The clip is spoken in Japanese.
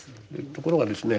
ところがですね